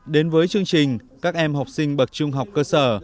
đến với chương trình các em học sinh bậc trung học cơ sở